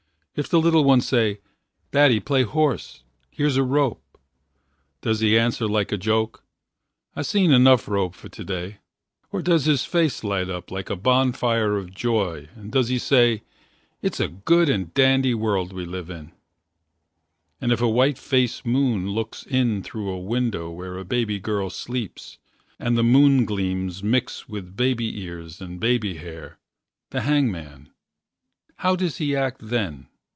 If the little Ones say, Daddy, play horse, here's A rope does he answer like a joke: I seen enough rope for today? Or does his face light up like a Bonfire of joy and does he say: It's a good and dandy world we live 'In. And if a white face moon looks In through a window where a baby girl Sleeps and the moon gleams mix with Baby ears and baby hair the hangman How does he act then?